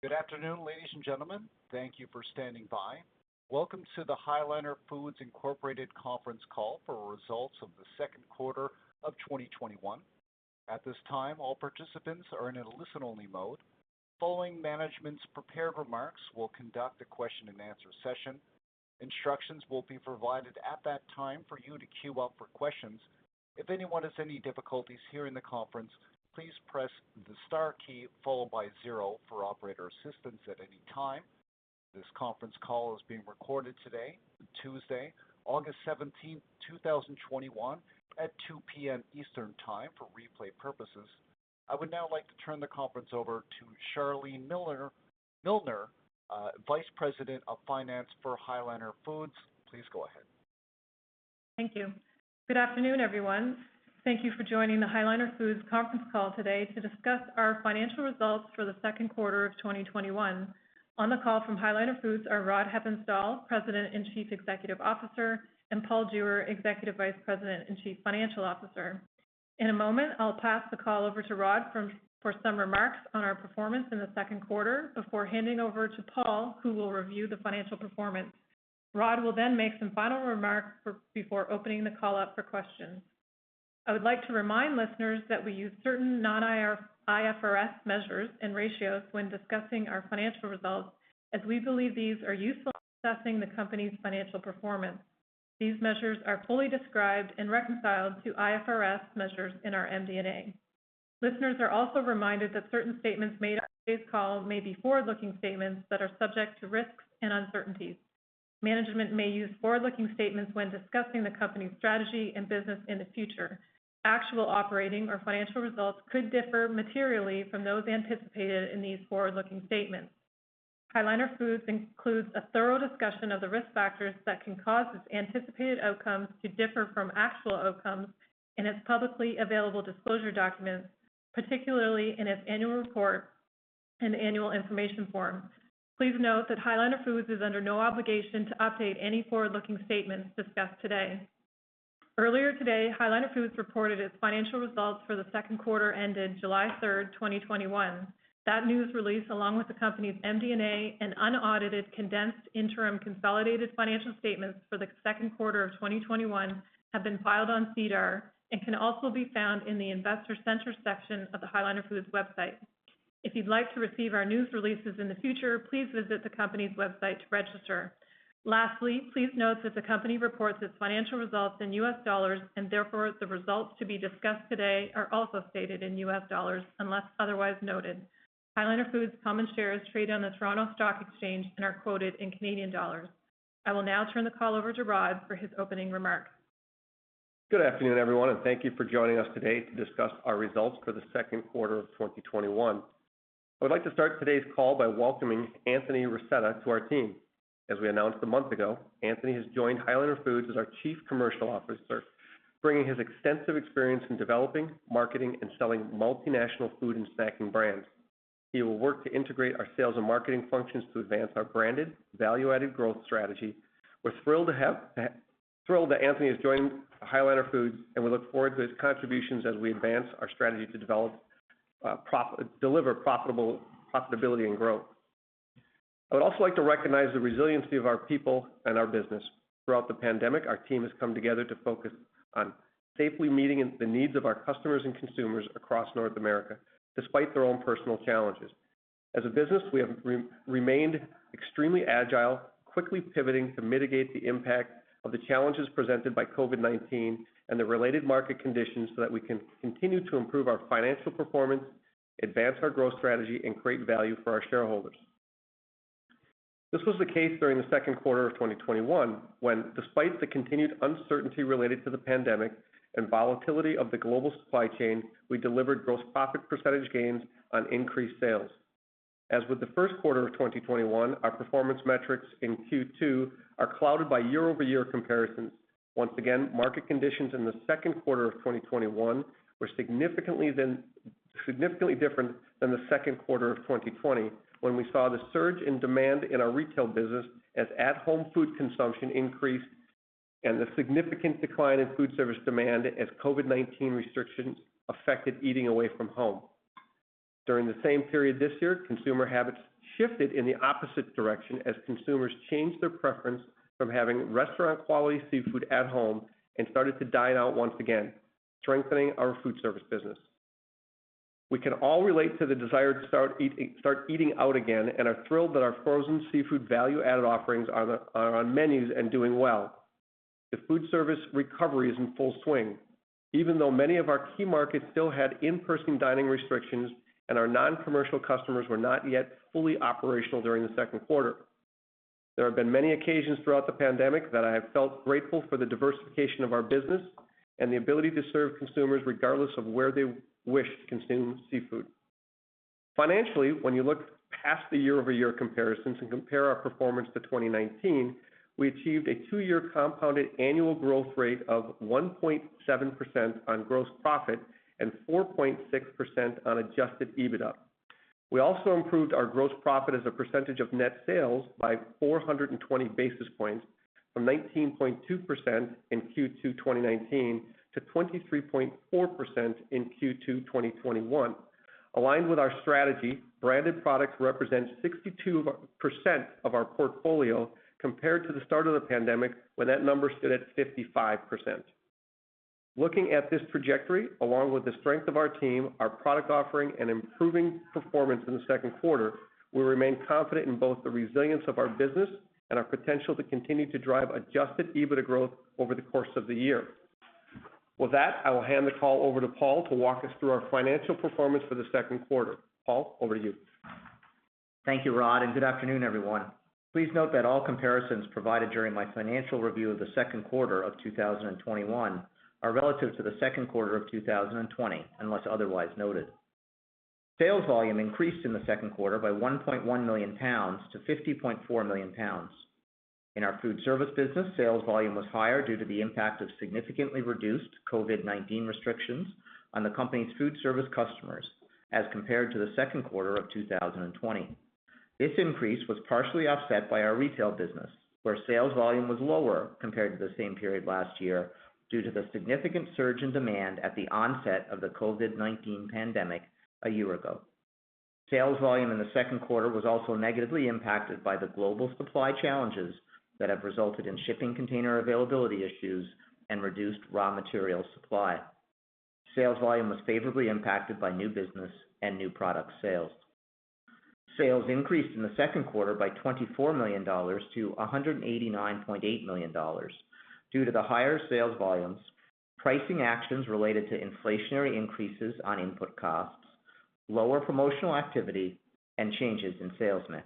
Good afternoon, ladies and gentlemen. Thank you for standing by. Welcome to the High Liner Foods Incorporated Conference Call for Results of the Second Quarter of 2021. At this time, all participants are in a listen-only mode. Following management's prepared remarks, we'll conduct a question and answer session. Instructions will be provided at that time for you to queue up for questions. If anyone has any difficulties hearing the conference, please press the star key followed by zero for operator assistance at any time. This conference call is being recorded today, Tuesday, August 17, 2021, at 2:00 P.M. Eastern Time for replay purposes. I would now like to turn the conference over to Charlene Milner, Vice President of Finance for High Liner Foods. Please go ahead. Thank you. Good afternoon, everyone. Thank you for joining the High Liner Foods Conference Call today to discuss our Financial Results for the Second Quarter of 2021. On the call from High Liner Foods are Rod Hepponstall, President and Chief Executive Officer, and Paul Jewer, Executive Vice President and Chief Financial Officer. In a moment, I'll pass the call over to Rod for some remarks on our performance in the second quarter before handing over to Paul, who will review the financial performance. Rod will then make some final remarks before opening the call up for questions. I would like to remind listeners that we use certain non-IFRS measures and ratios when discussing our financial results, as we believe these are useful in assessing the company's financial performance. These measures are fully described and reconciled to IFRS measures in our MD&A. Listeners are also reminded that certain statements made on today's call may be forward-looking statements that are subject to risks and uncertainties. Management may use forward-looking statements when discussing the company's strategy and business in the future. Actual operating or financial results could differ materially from those anticipated in these forward-looking statements. High Liner Foods includes a thorough discussion of the risk factors that can cause its anticipated outcomes to differ from actual outcomes in its publicly available disclosure documents, particularly in its annual report and annual information form. Please note that High Liner Foods is under no obligation to update any forward-looking statements discussed today. Earlier today, High Liner Foods reported its financial results for the second quarter ended July 3rd, 2021. That news release, along with the company's MD&A and unaudited condensed interim consolidated financial statements for the second quarter of 2021, have been filed on SEDAR and can also be found in the investor center section of the High Liner Foods website. If you'd like to receive our news releases in the future, please visit the company's website to register. Lastly, please note that the company reports its financial results in US dollars, and therefore, the results to be discussed today are also stated in US dollars, unless otherwise noted. High Liner Foods common shares trade on the Toronto Stock Exchange and are quoted in Canadian dollars. I will now turn the call over to Rod for his opening remarks. Good afternoon, everyone, and thank you for joining us today to discuss our results for the second quarter of 2021. I would like to start today's call by welcoming Anthony Rasetta to our team. As we announced a month ago, Anthony has joined High Liner Foods as our Chief Commercial Officer, bringing his extensive experience in developing, marketing, and selling multinational food and snacking brands. He will work to integrate our sales and marketing functions to advance our branded value-added growth strategy. We're thrilled that Anthony has joined High Liner Foods, and we look forward to his contributions as we advance our strategy to deliver profitability and growth. I would also like to recognize the resiliency of our people and our business. Throughout the pandemic, our team has come together to focus on safely meeting the needs of our customers and consumers across North America, despite their own personal challenges. As a business, we have remained extremely agile, quickly pivoting to mitigate the impact of the challenges presented by COVID-19 and the related market conditions so that we can continue to improve our financial performance, advance our growth strategy, and create value for our shareholders. This was the case during the second quarter of 2021 when, despite the continued uncertainty related to the pandemic and volatility of the global supply chain, we delivered gross profit percentage gains on increased sales. As with the first quarter of 2021, our performance metrics in Q2 are clouded by year-over-year comparisons. Once again, market conditions in the second quarter of 2021 were significantly different than the second quarter of 2020, when we saw the surge in demand in our retail business as at-home food consumption increased and the significant decline in food service demand as COVID-19 restrictions affected eating away from home. During the same period this year, consumer habits shifted in the opposite direction as consumers changed their preference from having restaurant quality seafood at home and started to dine out once again, strengthening our foodservice business. We can all relate to the desire to start eating out again and are thrilled that our frozen seafood value-added offerings are on menus and doing well. The foodservice recovery is in full swing, even though many of our key markets still had in-person dining restrictions and our non-commercial customers were not yet fully operational during the second quarter. There have been many occasions throughout the pandemic that I have felt grateful for the diversification of our business and the ability to serve consumers regardless of where they wish to consume seafood. Financially, when you look past the year-over-year comparisons and compare our performance to 2019, we achieved a two-year compounded annual growth rate of 1.7% on gross profit and 4.6% on Adjusted EBITDA. We also improved our gross profit as a percentage of net sales by 420 basis points. From 19.2% in Q2 2019 to 23.4% in Q2 2021. Aligned with our strategy, branded products represent 62% of our portfolio, compared to the start of the pandemic, when that number stood at 55%. Looking at this trajectory, along with the strength of our team, our product offering, and improving performance in the second quarter, we remain confident in both the resilience of our business and our potential to continue to drive Adjusted EBITDA growth over the course of the year. With that, I will hand the call over to Paul Jewer to walk us through our financial performance for the second quarter. Paul, over to you. Thank you, Rod, and good afternoon, everyone. Please note that all comparisons provided during my financial review of the second quarter of 2021 are relative to the second quarter of 2020, unless otherwise noted. Sales volume increased in the second quarter by 1.1 million lbs to 50.4 million lbs. In our food service business, sales volume was higher due to the impact of significantly reduced COVID-19 restrictions on the company's food service customers as compared to the second quarter of 2020. This increase was partially offset by our retail business, where sales volume was lower compared to the same period last year due to the significant surge in demand at the onset of the COVID-19 pandemic a year ago. Sales volume in the second quarter was also negatively impacted by the global supply challenges that have resulted in shipping container availability issues and reduced raw material supply. Sales volume was favorably impacted by new business and new product sales. Sales increased in the second quarter by $24 million to $189.8 million due to the higher sales volumes, pricing actions related to inflationary increases on input costs, lower promotional activity, and changes in sales mix.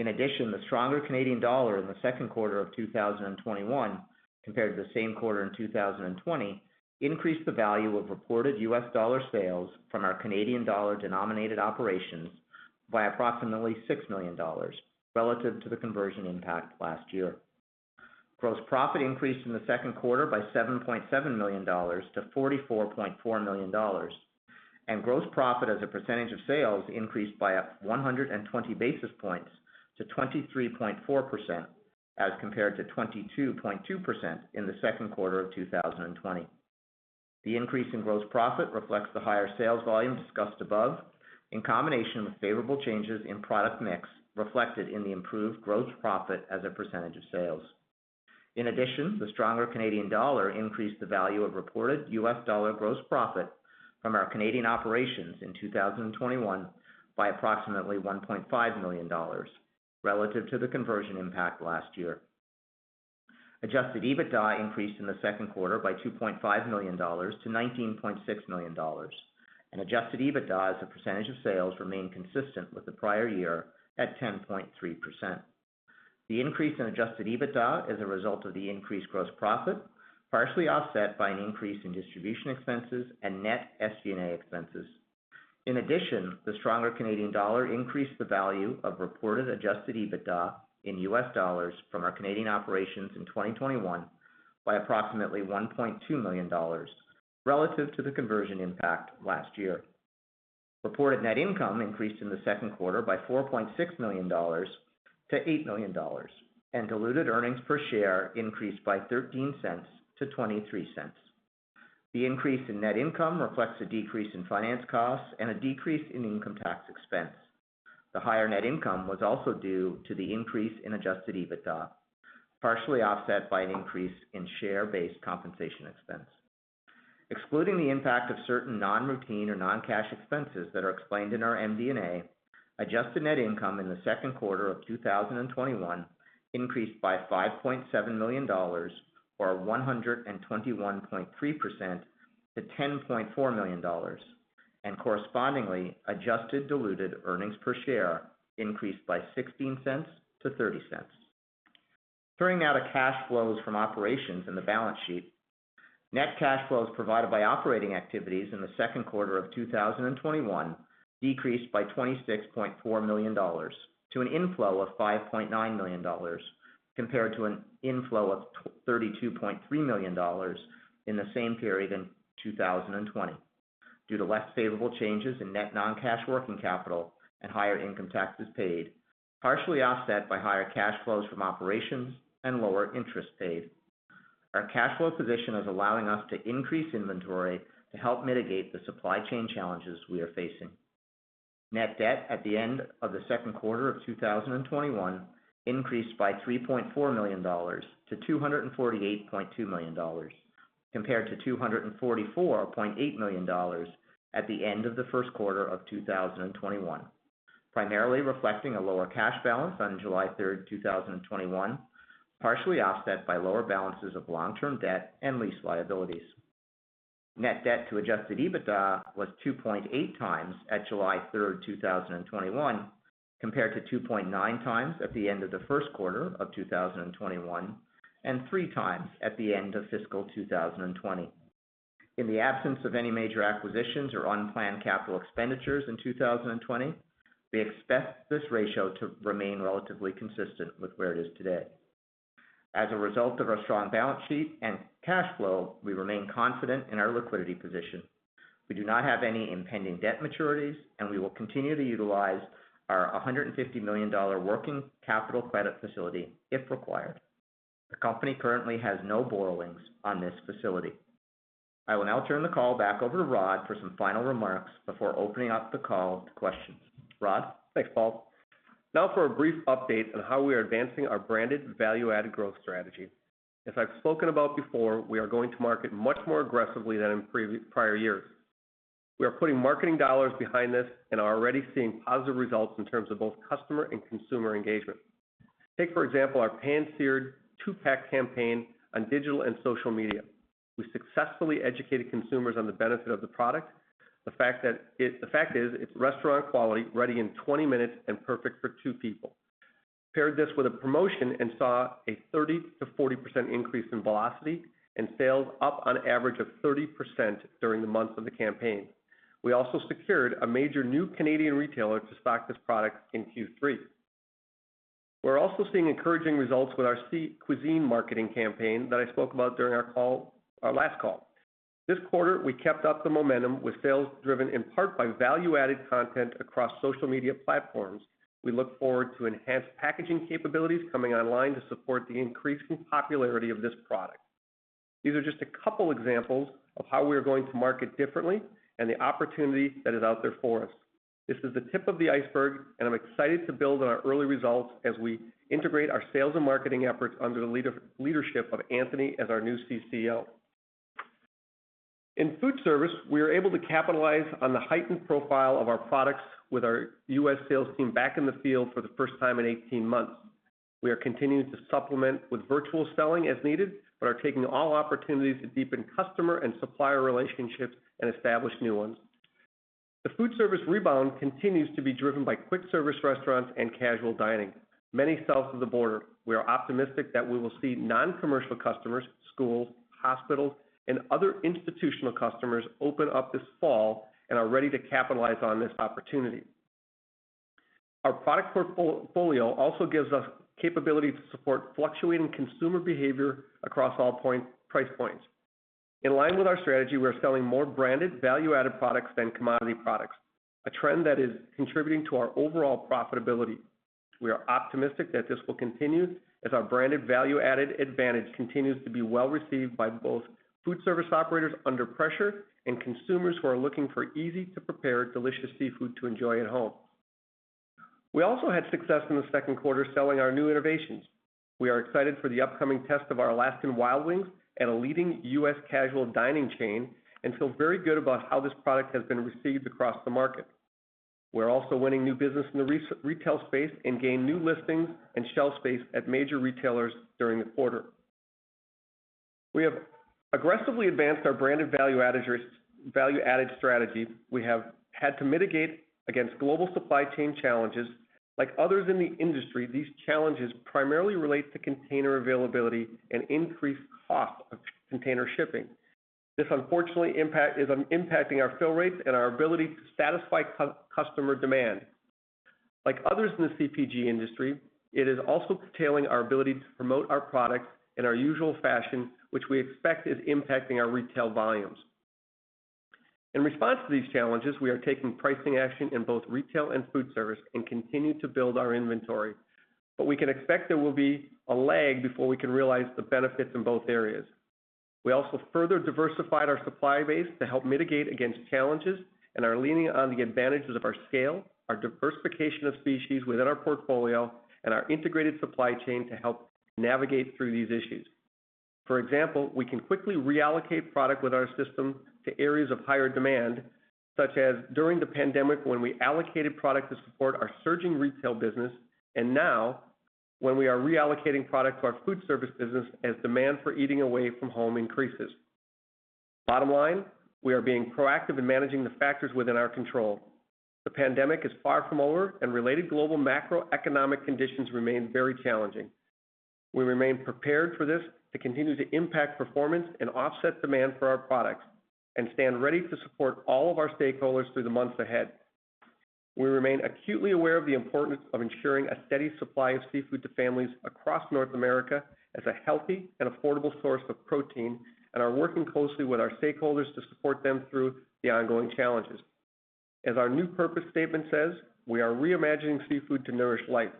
In addition, the stronger Canadian dollar in the second quarter of 2021 compared to the same quarter in 2020 increased the value of reported US dollar sales from our Canadian dollar-denominated operations by approximately $6 million, relative to the conversion impact last year. Gross profit increased in the second quarter by $7.7 million to $44.4 million, and gross profit as a percentage of sales increased by 120 basis points to 23.4%, as compared to 22.2% in the second quarter of 2020. The increase in gross profit reflects the higher sales volume discussed above, in combination with favorable changes in product mix reflected in the improved gross profit as a percentage of sales. In addition, the stronger Canadian dollar increased the value of reported US dollar gross profit from our Canadian operations in 2021 by approximately $1.5 million, relative to the conversion impact last year. Adjusted EBITDA increased in the second quarter by $2.5 million to $19.6 million, and Adjusted EBITDA as a percentage of sales remained consistent with the prior year at 10.3%. The increase in Adjusted EBITDA is a result of the increased gross profit, partially offset by an increase in distribution expenses and net SG&A expenses. In addition, the stronger Canadian dollar increased the value of reported Adjusted EBITDA in US dollars from our Canadian operations in 2021 by approximately $1.2 million, relative to the conversion impact last year. Reported net income increased in the second quarter by $4.6 million to $8 million. Diluted earnings per share increased by $0.13 to $0.23. The increase in net income reflects a decrease in finance costs and a decrease in income tax expense. The higher net income was also due to the increase in Adjusted EBITDA, partially offset by an increase in share-based compensation expense. Excluding the impact of certain non-routine or non-cash expenses that are explained in our MD&A, adjusted net income in the second quarter of 2021 increased by $5.7 million, or 121.3%, to $10.4 million. Correspondingly, adjusted diluted earnings per share increased by $0.16 to $0.30. Turning now to cash flows from operations and the balance sheet. Net cash flows provided by operating activities in the second quarter of 2021 decreased by $26.4 million to an inflow of $5.9 million, compared to an inflow of $32.3 million in the same period in 2020 due to less favorable changes in net non-cash working capital and higher income taxes paid, partially offset by higher cash flows from operations and lower interest paid. Our cash flow position is allowing us to increase inventory to help mitigate the supply chain challenges we are facing. Net debt at the end of the second quarter of 2021 increased by $3.4 million to $248.2 million, compared to $244.8 million at the end of the first quarter of 2021, primarily reflecting a lower cash balance on July 3rd, 2021, partially offset by lower balances of long-term debt and lease liabilities. Net debt to Adjusted EBITDA was 2.8 times at July 3rd, 2021, compared to 2.9 times at the end of the first quarter of 2021 and 3 times at the end of fiscal 2020. In the absence of any major acquisitions or unplanned capital expenditures in 2020, we expect this ratio to remain relatively consistent with where it is today. As a result of our strong balance sheet and cash flow, we remain confident in our liquidity position. We do not have any impending debt maturities, and we will continue to utilize our $150 million working capital credit facility, if required. The company currently has no borrowings on this facility. I will now turn the call back over to Rod for some final remarks before opening up the call to questions. Rod? Thanks, Paul. Now for a brief update on how we are advancing our branded value-added growth strategy. As I've spoken about before, we are going to market much more aggressively than in prior years. We are putting marketing dollars behind this and are already seeing positive results in terms of both customer and consumer engagement. Take, for example, our Pan-Seared two-pack campaign on digital and social media. We successfully educated consumers on the benefit of the product. The fact is, it's restaurant quality, ready in 20 minutes, and perfect for two people. We paired this with a promotion and saw a 30%-40% increase in velocity, and sales up on average of 30% during the month of the campaign. We also secured a major new Canadian retailer to stock this product in Q3. We're also seeing encouraging results with our Sea Cuisine marketing campaign that I spoke about during our last call. This quarter, we kept up the momentum with sales driven in part by value-added content across social media platforms. We look forward to enhanced packaging capabilities coming online to support the increasing popularity of this product. These are just a couple examples of how we are going to market differently and the opportunity that is out there for us. This is the tip of the iceberg, and I'm excited to build on our early results as we integrate our sales and marketing efforts under the leadership of Anthony as our new CCO. In foodservice, we are able to capitalize on the heightened profile of our products with our U.S. sales team back in the field for the first time in 18 months. We are continuing to supplement with virtual selling as needed, but are taking all opportunities to deepen customer and supplier relationships and establish new ones. The food service rebound continues to be driven by quick service restaurants and casual dining, many south of the border. We are optimistic that we will see non-commercial customers, schools, hospitals, and other institutional customers open up this fall and are ready to capitalize on this opportunity. Our product portfolio also gives us capability to support fluctuating consumer behavior across all price points. In line with our strategy, we are selling more branded value-added products than commodity products, a trend that is contributing to our overall profitability. We are optimistic that this will continue as our branded value-added advantage continues to be well received by both food service operators under pressure and consumers who are looking for easy-to-prepare delicious seafood to enjoy at home. We also had success in the second quarter selling our new innovations. We are excited for the upcoming test of our Alaska Wild Wings at a leading U.S. casual dining chain and feel very good about how this product has been received across the market. We're also winning new business in the retail space and gained new listings and shelf space at major retailers during the quarter. We have aggressively advanced our branded value-added strategy. We have had to mitigate against global supply chain challenges. Like others in the industry, these challenges primarily relate to container availability and increased cost of container shipping. This unfortunately is impacting our fill rates and our ability to satisfy customer demand. Like others in the CPG industry, it is also curtailing our ability to promote our products in our usual fashion, which we expect is impacting our retail volumes. In response to these challenges, we are taking pricing action in both retail and foodservice and continue to build our inventory. We can expect there will be a lag before we can realize the benefits in both areas. We also further diversified our supply base to help mitigate against challenges and are leaning on the advantages of our scale, our diversification of species within our portfolio, and our integrated supply chain to help navigate through these issues. For example, we can quickly reallocate product with our system to areas of higher demand, such as during the pandemic, when we allocated product to support our surging retail business, and now, when we are reallocating product to our foodservice business as demand for eating away from home increases. Bottom line, we are being proactive in managing the factors within our control. The pandemic is far from over and related global macroeconomic conditions remain very challenging. We remain prepared for this to continue to impact performance and offset demand for our products and stand ready to support all of our stakeholders through the months ahead. We remain acutely aware of the importance of ensuring a steady supply of seafood to families across North America as a healthy and affordable source of protein and are working closely with our stakeholders to support them through the ongoing challenges. As our new purpose statement says, we are reimagining seafood to nourish life.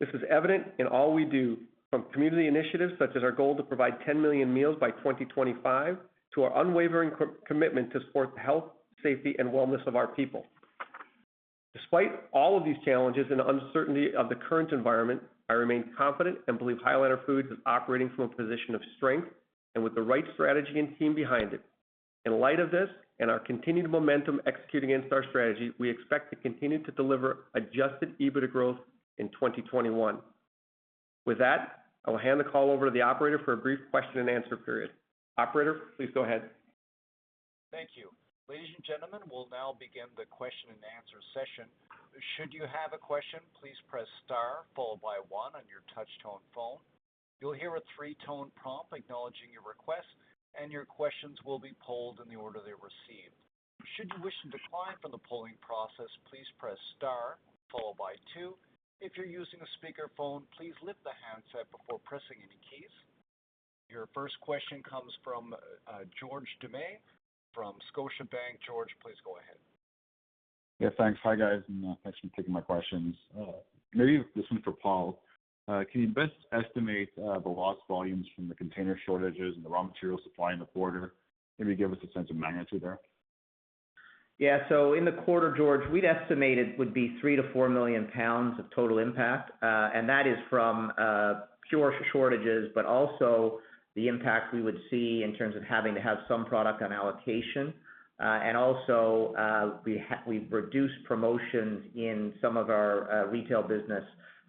This is evident in all we do, from community initiatives such as our goal to provide 10 million meals by 2025, to our unwavering commitment to support the health, safety, and wellness of our people. Despite all of these challenges and the uncertainty of the current environment, I remain confident and believe High Liner Foods is operating from a position of strength and with the right strategy and team behind it. In light of this and our continued momentum executing against our strategy, we expect to continue to deliver Adjusted EBITDA growth in 2021. With that, I will hand the call over to the operator for a brief question and answer period. Operator, please go ahead. Thank you. Ladies and gentlemen, we'll now begin the question and answer session. Should you have a question, please press star follow by one on your touch tone phone. You'll hear a three tone prompt, acknowledging your request, and your question will be polled in the order they were received. Should you wish to decline from the polling process, please press star follow by two. If you're using a speakerphone, please lift the handset before pressing any keys. Your first question comes from George Doumet from Scotiabank. George, please go ahead. Yeah, thanks. Hi, guys, and thanks for taking my questions. Maybe this one's for Paul. Can you best estimate the lost volumes from the container shortages and the raw material supply in the quarter? Maybe give us a sense of magnitude there. Yeah. In the quarter, George, we'd estimate it would be 3 million lbs-4 million lbs of total impact. That is from pure shortages, but also the impact we would see in terms of having to have some product on allocation. Also, we've reduced promotions in some of our retail business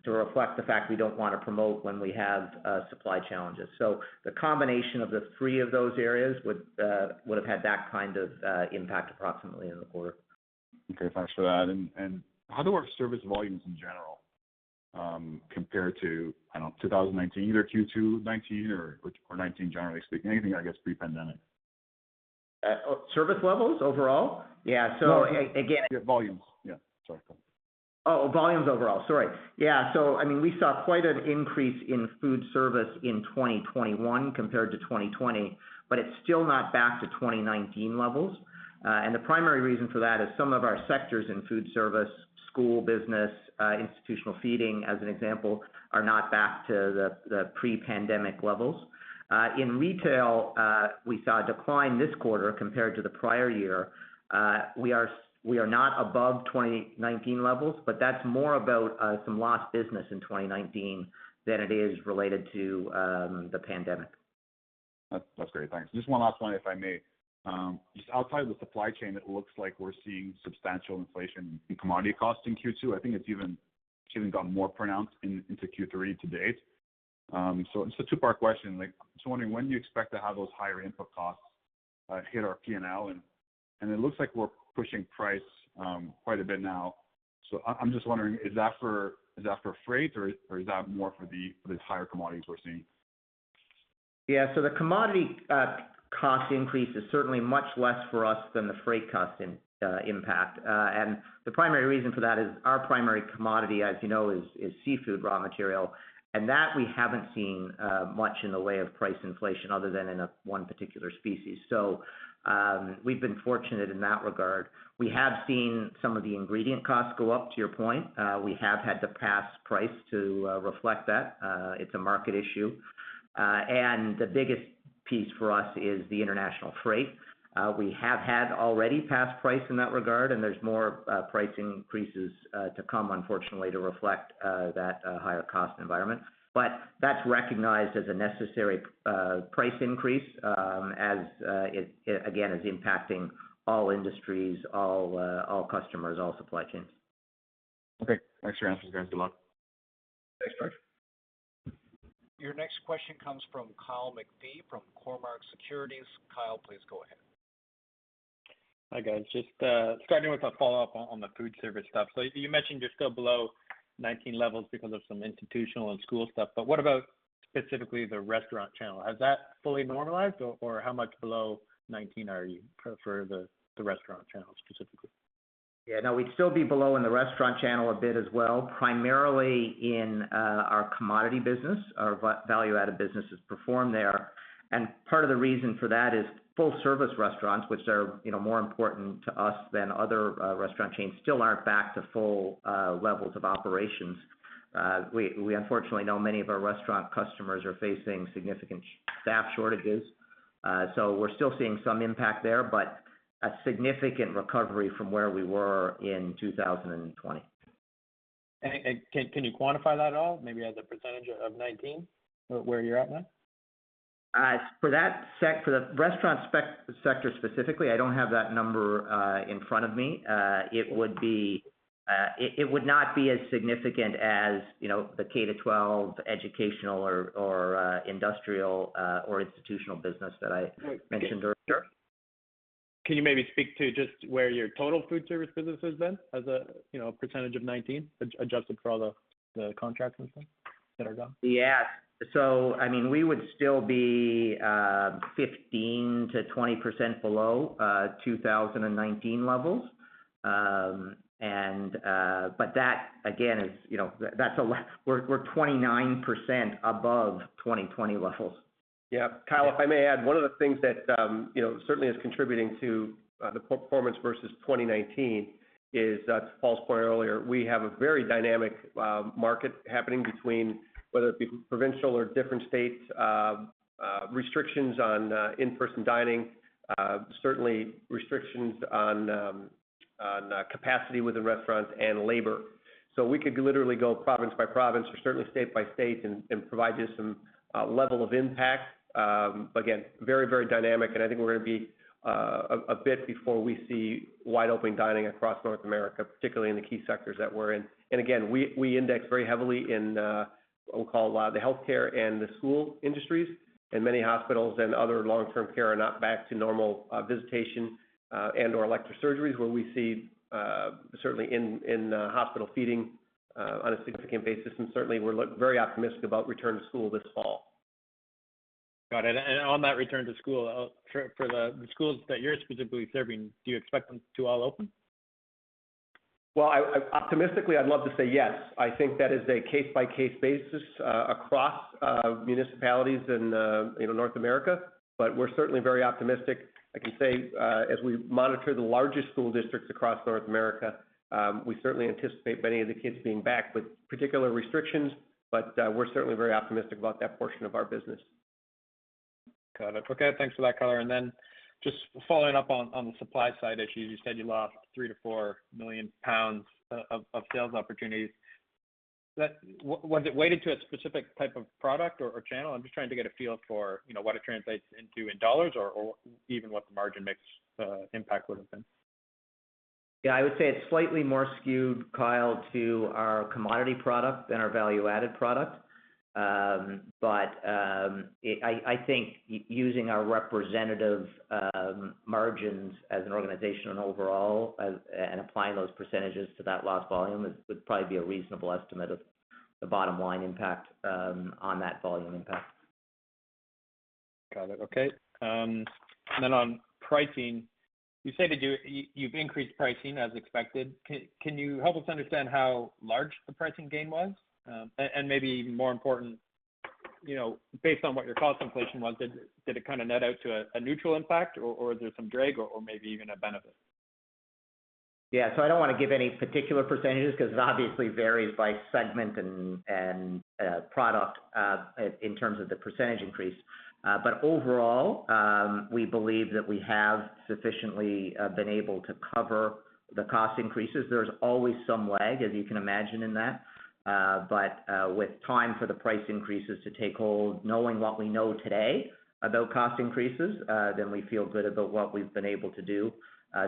to reflect the fact we don't want to promote when we have supply challenges. The combination of the three of those areas would've had that kind of impact approximately in the quarter. Okay. Thanks for that. How do our service volumes in general compare to, I don't know, 2019, either Q2 2019, or 2019 generally speaking? Anything, I guess, pre-pandemic. Service levels overall? Yeah, so again- Yeah, volumes. Yeah. Sorry. Volumes overall. Sorry. Yeah. We saw quite an increase in food service in 2021 compared to 2020, but it's still not back to 2019 levels. The primary reason for that is some of our sectors in food service, school, business, institutional feeding, as an example, are not back to the pre-pandemic levels. In retail, we saw a decline this quarter compared to the prior year. We are not above 2019 levels, but that's more about some lost business in 2019 than it is related to the pandemic. That's great. Thanks. Just one last one, if I may. Just outside the supply chain, it looks like we're seeing substantial inflation in commodity costs in Q2. I think it's even gotten more pronounced into Q3 to date. It's a two-part question. Just wondering, when do you expect to have those higher input costs hit our P&L? It looks like we're pushing price quite a bit now, so I'm just wondering, is that for freight, or is that more for these higher commodities we're seeing? Yeah. The commodity cost increase is certainly much less for us than the freight cost impact. The primary reason for that is our primary commodity, as you know, is seafood raw material, and that we haven't seen much in the way of price inflation other than in one particular species. We've been fortunate in that regard. We have seen some of the ingredient costs go up, to your point. We have had to pass price to reflect that. It's a market issue. The biggest piece for us is the international freight. We have had already passed price in that regard, and there's more price increases to come, unfortunately, to reflect that higher cost environment. That's recognized as a necessary price increase, as it, again, is impacting all industries, all customers, all supply chains. Okay. Thanks for your answers, guys. Good luck. Thanks, George. Your next question comes from Kyle McPhee from Cormark Securities. Kyle, please go ahead. Hi, guys. Just starting with a follow-up on the food service stuff. You mentioned you're still below 2019 levels because of some institutional and school stuff, but what about specifically the restaurant channel? Has that fully normalized, or how much below 2019 are you for the restaurant channel specifically? Yeah. No, we'd still be below in the restaurant channel a bit as well, primarily in our commodity business. Our value-added businesses perform there. Part of the reason for that is full-service restaurants, which are more important to us than other restaurant chains, still aren't back to full levels of operations. We unfortunately know many of our restaurant customers are facing significant staff shortages. We're still seeing some impact there, but a significant recovery from where we were in 2020. Can you quantify that at all? Maybe as a percent of 2019, where you are at now? For the restaurant sector specifically, I don't have that number in front of me. It would not be as significant as the K-12 educational or industrial or institutional business that I mentioned earlier. Sure. Can you maybe speak to just where your total food service business has been as a percentage of 2019, adjusted for all the contracts and things that are gone? We would still be 15%-20% below 2019 levels. That, again, we are 29% above 2020 levels. Kyle, if I may add, one of the things that certainly is contributing to the performance versus 2019 is, to Paul's point earlier, we have a very dynamic market happening between, whether it be provincial or different states, restrictions on in-person dining, certainly restrictions on capacity with the restaurants, and labor. We could literally go province by province or certainly state by state and provide you some level of impact. Again, very dynamic, and I think we're going to be a bit before we see wide open dining across North America, particularly in the key sectors that we're in. Again, we index very heavily in, we'll call the healthcare and the school industries. Many hospitals and other long-term care are not back to normal visitation and or elective surgeries where we see, certainly in hospital feeding on a significant basis. Certainly, we're very optimistic about return to school this fall. Got it. On that return to school, for the schools that you're specifically serving, do you expect them to all open? Well, optimistically, I'd love to say yes. I think that is a case-by-case basis across municipalities in North America, but we're certainly very optimistic. I can say, as we monitor the largest school districts across North America, we certainly anticipate many of the kids being back with particular restrictions. We're certainly very optimistic about that portion of our business. Got it. Okay. Thanks for that color. Then just following up on the supply side issues, you said you lost 3 million lbs-4 million lbs of sales opportunities. Was it weighted to a specific type of product or channel? I'm just trying to get a feel for what it translates into in dollars or even what the margin mix impact would've been. Yeah, I would say it's slightly more skewed, Kyle, to our commodity product than our value-added product. I think using our representative margins as an organization on overall, and applying those percentages to that lost volume would probably be a reasonable estimate of the bottom-line impact on that volume impact. Got it. Okay. Then on pricing, you say that you've increased pricing as expected. Can you help us understand how large the pricing gain was? Maybe even more important, based on what your cost inflation was, did it kind of net out to a neutral impact, or is there some drag or maybe even a benefit? Yeah. I don't want to give any particular percentages because it obviously varies by segment and product, in terms of the percentage increase. Overall, we believe that we have sufficiently been able to cover the cost increases. There's always some lag, as you can imagine in that. With time for the price increases to take hold, knowing what we know today about cost increases, then we feel good about what we've been able to do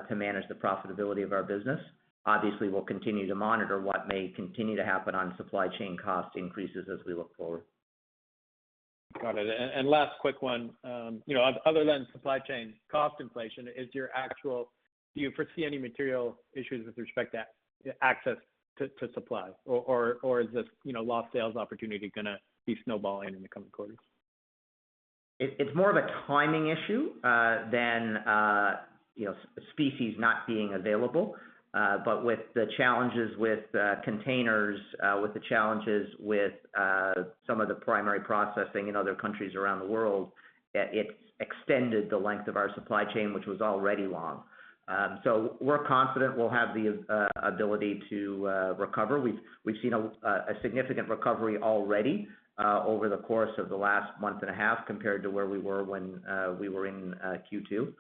to manage the profitability of our business. Obviously, we'll continue to monitor what may continue to happen on supply chain cost increases as we look forward. Got it. Last quick one. Other than supply chain cost inflation, do you foresee any material issues with respect to access to supplies, or is this lost sales opportunity going to be snowballing in the coming quarters? It's more of a timing issue than species not being available. With the challenges with containers, with the challenges with some of the primary processing in other countries around the world, it extended the length of our supply chain, which was already long. We're confident we'll have the ability to recover. We've seen a significant recovery already over the course of the last month and a half compared to where we were when we were in Q2.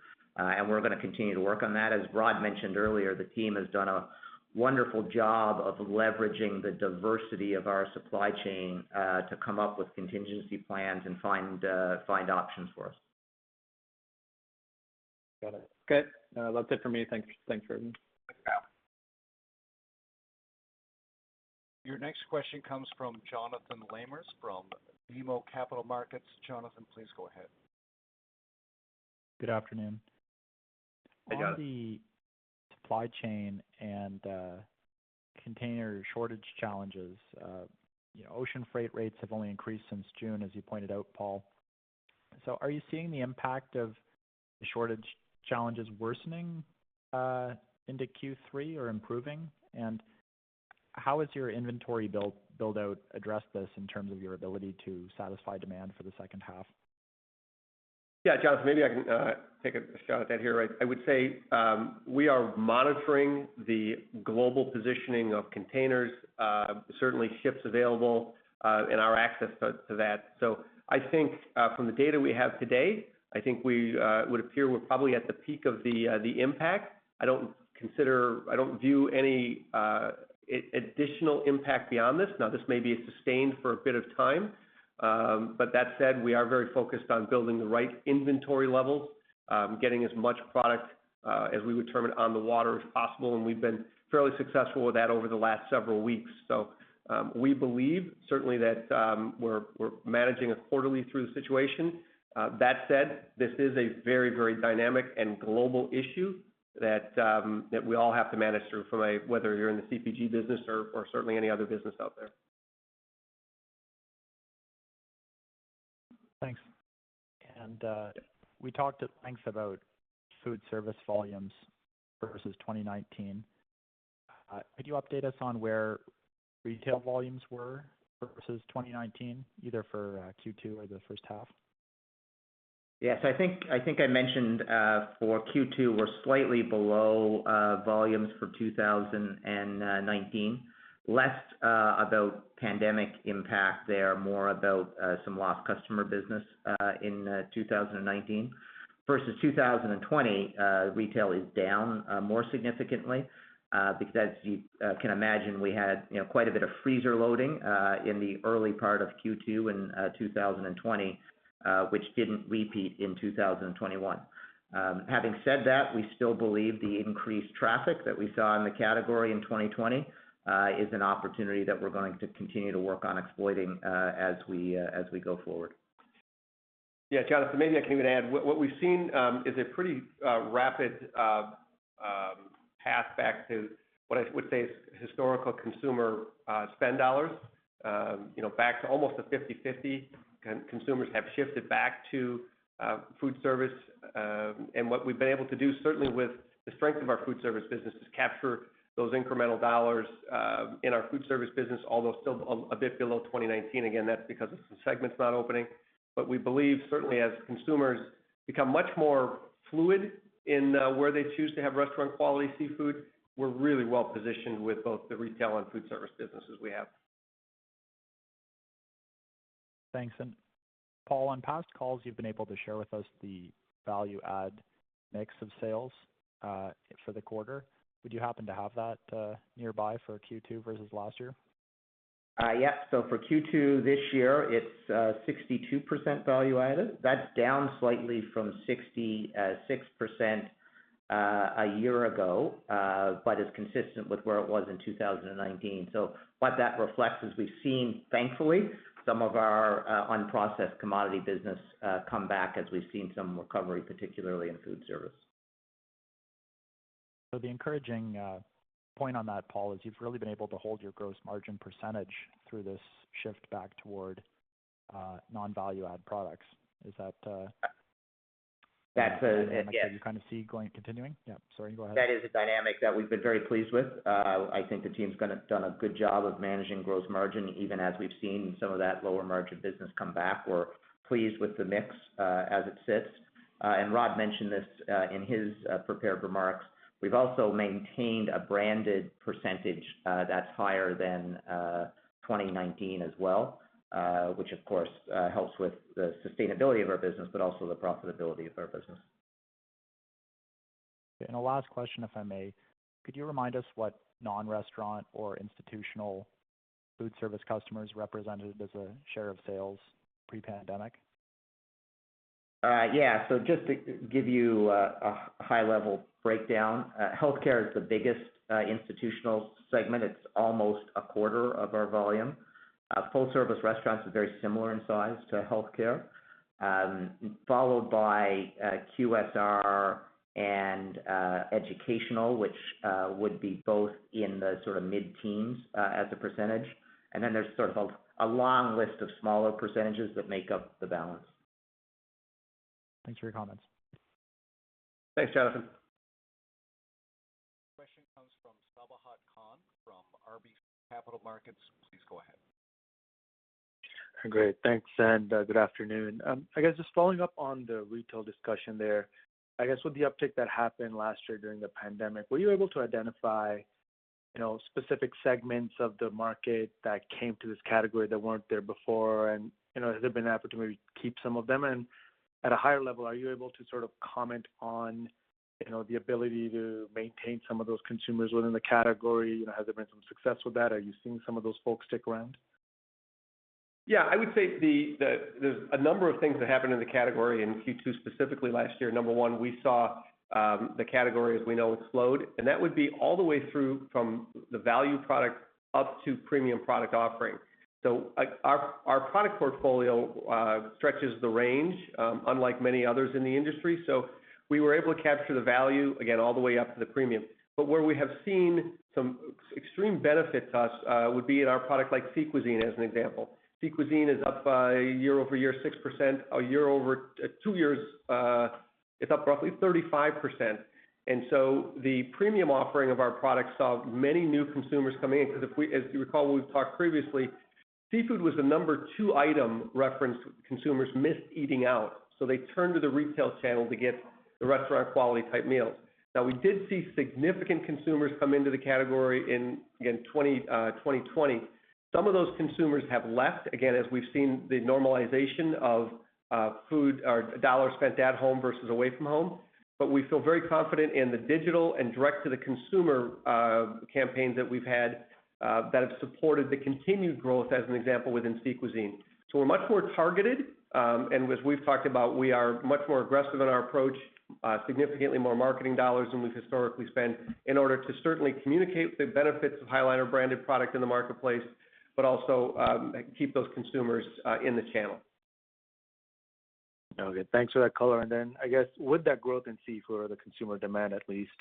We're going to continue to work on that. As Rod mentioned earlier, the team has done a wonderful job of leveraging the diversity of our supply chain, to come up with contingency plans and find options for us. Got it. Okay. That's it for me. Thank you very much. Thanks, Kyle. Your next question comes from Jonathan Lamers of BMO Capital Markets. Jonathan, please go ahead. Good afternoon. Hey, Jonathan. On the supply chain and container shortage challenges, ocean freight rates have only increased since June, as you pointed out, Paul. Are you seeing the impact of the shortage challenges worsening into Q3 or improving? How has your inventory build-out addressed this in terms of your ability to satisfy demand for the second half? Jonathan, maybe I can take a shot at that here. I would say, we are monitoring the global positioning of containers, certainly ships available, and our access to that. I think from the data we have today, I think it would appear we're probably at the peak of the impact. I don't view any additional impact beyond this. This may be sustained for a bit of time. That said, we are very focused on building the right inventory levels, getting as much product as we would determine on the water if possible, and we've been fairly successful with that over the last several weeks. We believe certainly that we're managing a quarterly through situation. That said, this is a very dynamic and global issue that we all have to manage through, whether you're in the CPG business or certainly any other business out there. Thanks. We talked at length about food service volumes versus 2019. Could you update us on where retail volumes were versus 2019, either for Q2 or the first half? I think I mentioned for Q2, we're slightly below volumes for 2019. Less about pandemic impact there, more about some lost customer business in 2019. Versus 2020, retail is down more significantly, because as you can imagine, we had quite a bit of freezer loading, in the early part of Q2 in 2020, which didn't repeat in 2021. Having said that, we still believe the increased traffic that we saw in the category in 2020 is an opportunity that we're going to continue to work on exploiting as we go forward. Yeah, Jonathan, maybe I can even add, what we've seen is a pretty rapid path back to what I would say is historical consumer spend dollars, back to almost a 50/50. Consumers have shifted back to food service. What we've been able to do, certainly with the strength of our food service business, is capture those incremental dollars in our food service business, although still a bit below 2019. Again, that's because of some segments not opening. We believe certainly as consumers become much more fluid in where they choose to have restaurant-quality seafood, we're really well-positioned with both the retail and food service businesses we have. Thanks. Paul, on past calls, you've been able to share with us the value-add mix of sales for the quarter. Would you happen to have that nearby for Q2 versus last year? Yes. For Q2 this year, it's 62% value added. That's down slightly from 66% a year ago, but is consistent with where it was in 2019. What that reflects is we've seen, thankfully, some of our unprocessed commodity business come back as we've seen some recovery, particularly in foodservice. The encouraging point on that, Paul, is you've really been able to hold your gross margin percentage through this shift back toward non-value-add products. That's. Yeah. A dynamic that you see continuing? Yeah, sorry, go ahead. That is a dynamic that we've been very pleased with. I think the team's done a good job of managing gross margin, even as we've seen some of that lower margin business come back. We're pleased with the mix as it sits. Rod mentioned this in his prepared remarks, we've also maintained a branded percentage that's higher than 2019 as well, which of course helps with the sustainability of our business, but also the profitability of our business. A last question, if I may. Could you remind us what non-restaurant or institutional food service customers represented as a share of sales pre-pandemic? Yeah. Just to give you a high-level breakdown, healthcare is the biggest institutional segment. It's almost a quarter of our volume. Full-service restaurants are very similar in size to healthcare, followed by QSR and educational, which would be both in the mid-teens as a percentage. Then there's a long list of smaller percentages that make up the balance. Thanks for your comments. Thanks, Jonathan. Question comes from Sabahat Khan from RBC Capital Markets. Please go ahead. Great. Thanks, and good afternoon. I guess just following up on the retail discussion there. I guess with the uptick that happened last year during the pandemic, were you able to identify specific segments of the market that came to this category that weren't there before? Has there been an effort to maybe keep some of them? At a higher level, are you able to comment on the ability to maintain some of those consumers within the category? Has there been some success with that? Are you seeing some of those folks stick around? Yeah, I would say there's a number of things that happened in the category in Q2, specifically last year. Number one, we saw the category, as we know, explode, and that would be all the way through from the value product up to premium product offering. Our product portfolio stretches the range, unlike many others in the industry. We were able to capture the value, again, all the way up to the premium. Where we have seen some extreme benefit to us would be in our product like Sea Cuisine, as an example. Sea Cuisine is up by year-over-year, 6%. 2 years, it's up roughly 35%. The premium offering of our product saw many new consumers coming in, because as you recall, when we've talked previously, seafood was the number two item referenced consumers missed eating out. They turned to the retail channel to get the restaurant quality type meals. We did see significant consumers come into the category in 2020. Some of those consumers have left, again, as we've seen the normalization of food or dollars spent at home versus away from home. We feel very confident in the digital and direct-to-the-consumer campaigns that we've had that have supported the continued growth, as an example, within Sea Cuisine. We're much more targeted. As we've talked about, we are much more aggressive in our approach, significantly more marketing dollars than we've historically spent in order to certainly communicate the benefits of High Liner branded product in the marketplace, but also keep those consumers in the channel. Okay. Thanks for that color. I guess with that growth in seafood or the consumer demand at least,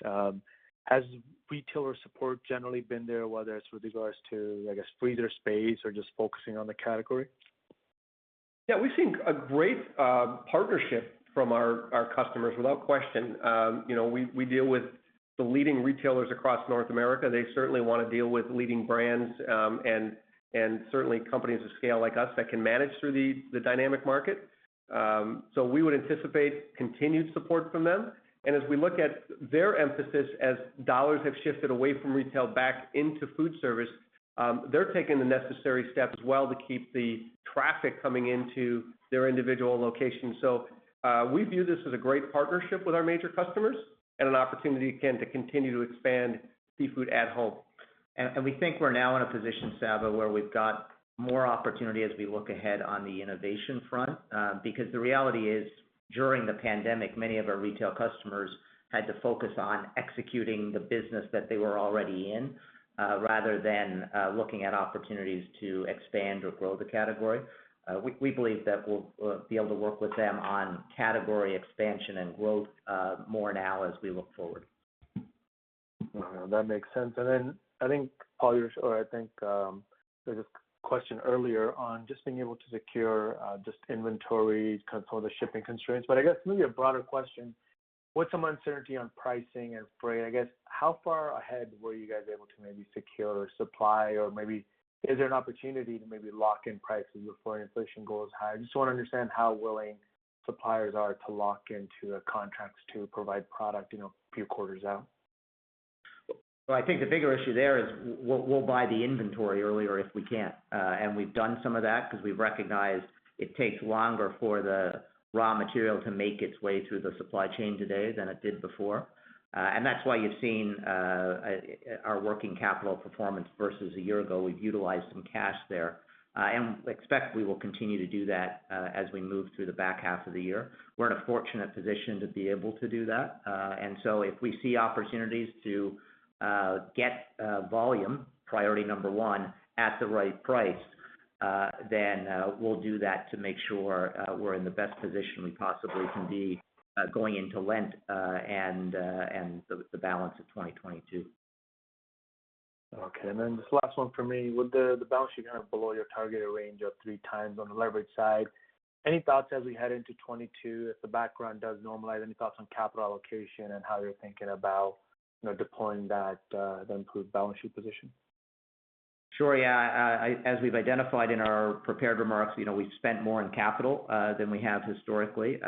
has retailer support generally been there, whether it's with regards to, I guess, freezer space or just focusing on the category? We've seen a great partnership from our customers, without question. We deal with the leading retailers across North America. They certainly want to deal with leading brands and certainly companies of scale like us that can manage through the dynamic market. We would anticipate continued support from them. As we look at their emphasis, as dollars have shifted away from retail back into foodservice, they're taking the necessary steps as well to keep the traffic coming into their individual locations. We view this as a great partnership with our major customers and an opportunity, again, to continue to expand seafood at home. We think we're now in a position, Sabahat, where we've got more opportunity as we look ahead on the innovation front. The reality is, during the pandemic, many of our retail customers had to focus on executing the business that they were already in, rather than looking at opportunities to expand or grow the category. We believe that we'll be able to work with them on category expansion and growth more now as we look forward. That makes sense. I think, Paul, there was a question earlier on just being able to secure just inventory because all the shipping constraints. I guess maybe a broader question: with some uncertainty on pricing and freight, I guess, how far ahead were you guys able to maybe secure supply or maybe is there an opportunity to maybe lock in prices before inflation goes high? I just want to understand how willing suppliers are to lock into contracts to provide product a few quarters out. Well, I think the bigger issue there is we'll buy the inventory earlier if we can. We've done some of that because we've recognized it takes longer for the raw material to make its way through the supply chain today than it did before. That's why you've seen our working capital performance versus a year ago. We've utilized some cash there. I expect we will continue to do that as we move through the back half of the year. We're in a fortunate position to be able to do that. If we see opportunities to get volume, priority number one, at the right price, then we'll do that to make sure we're in the best position we possibly can be going into Lent and the balance of 2022. This last one from me. With the balance sheet below your targeted range of 3 times on the leverage side, any thoughts as we head into 2022, if the background does normalize, any thoughts on capital allocation and how you're thinking about deploying that improved balance sheet position? Sure. Yeah. As we've identified in our prepared remarks, we've spent more in capital than we have historically.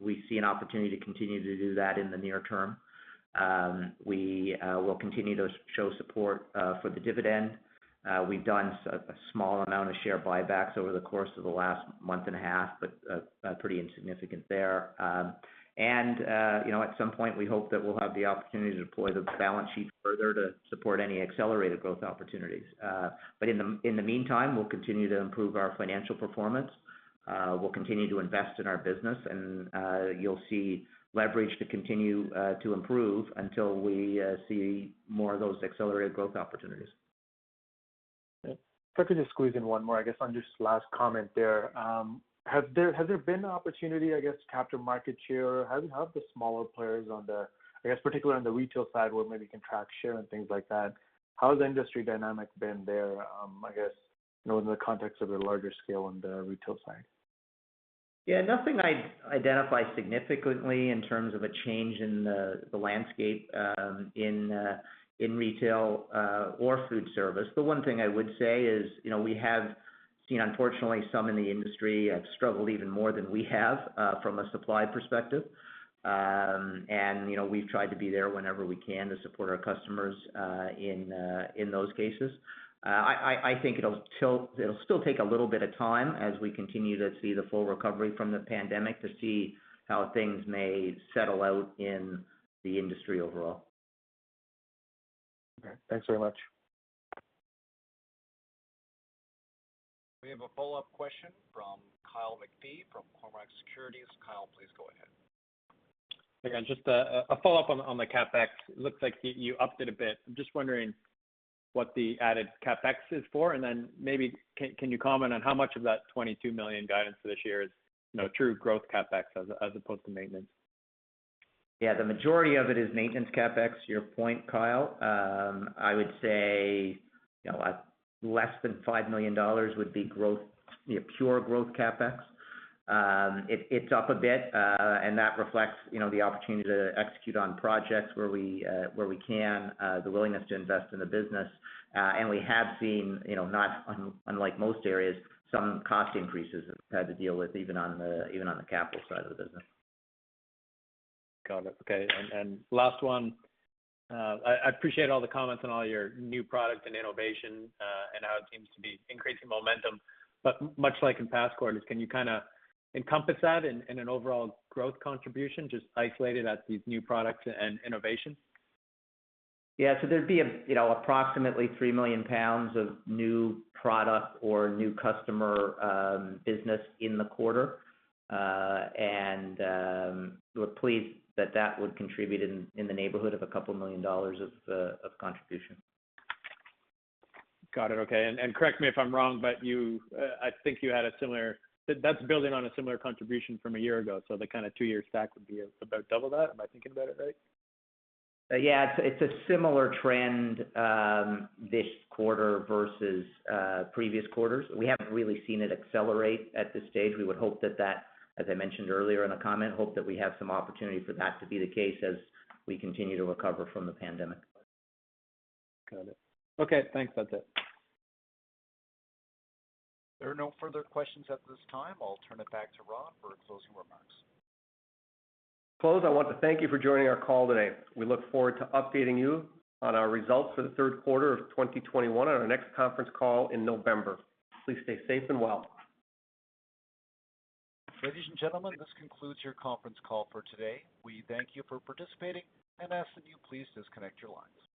We see an opportunity to continue to do that in the near term. We will continue to show support for the dividend. We've done a small amount of share buybacks over the course of the last month and a half, but pretty insignificant there. At some point, we hope that we'll have the opportunity to deploy the balance sheet further to support any accelerated growth opportunities. In the meantime, we'll continue to improve our financial performance. We'll continue to invest in our business. You'll see leverage to continue to improve until we see more of those accelerated growth opportunities. If I could just squeeze in one more, I guess on just last comment there. Has there been an opportunity, I guess, to capture market share? How have the smaller players, I guess particularly on the retail side, where maybe contract share and things like that, how has the industry dynamic been there, I guess in the context of the larger scale on the retail side? Yeah, nothing I'd identify significantly in terms of a change in the landscape in retail or food service. The one thing I would say is we have seen, unfortunately, some in the industry have struggled even more than we have from a supply perspective. We've tried to be there whenever we can to support our customers in those cases. I think it'll still take a little bit of time as we continue to see the full recovery from the pandemic to see how things may settle out in the industry overall. Okay. Thanks very much. We have a follow-up question from Kyle McPhee from Cormark Securities. Kyle, please go ahead. Just a follow-up on the CapEx. Looks like you upped it a bit. I'm just wondering what the added CapEx is for, and then maybe can you comment on how much of that 22 million guidance for this year is true growth CapEx as opposed to maintenance? Yeah, the majority of it is maintenance CapEx, to your point, Kyle. I would say less than 5 million dollars would be pure growth CapEx. It's up a bit, and that reflects the opportunity to execute on projects where we can, the willingness to invest in the business. We have seen, not unlike most areas, some cost increases we've had to deal with even on the capital side of the business. Got it. Okay. Last one. I appreciate all the comments on all your new product and innovation, and how it seems to be increasing momentum. Much like in past quarters, can you encompass that in an overall growth contribution, just isolated at these new products and innovation? Yeah. There'd be approximately 3 million lbs of new product or new customer business in the quarter. We're pleased that that would contribute in the neighborhood of a couple million CAD of contribution. Got it. Okay. Correct me if I'm wrong. That's building on a similar contribution from a year ago. The two-year stack would be about double that. Am I thinking about it right? Yeah. It's a similar trend this quarter versus previous quarters. We haven't really seen it accelerate at this stage. We would hope that that, as I mentioned earlier in a comment, hope that we have some opportunity for that to be the case as we continue to recover from the pandemic. Got it. Okay, thanks. That's it. There are no further questions at this time. I'll turn it back to Rod Hepponstall for closing remarks. To close, I want to thank you for joining our call today. We look forward to updating you on our results for the third quarter of 2021 on our next conference call in November. Please stay safe and well. Ladies and gentlemen, this concludes your conference call for today. We thank you for participating and ask that you please disconnect your lines.